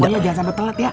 jangan sampai telat ya